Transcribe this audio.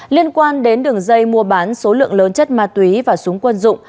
liên quan đến đường dây mua bán số lượng lớn chất ma túy và súng quân dụng